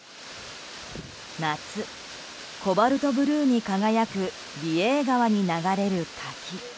夏、コバルトブルーに輝く美瑛川に流れる滝。